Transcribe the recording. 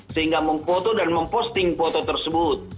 sehingga memfoto dan memposting foto tersebut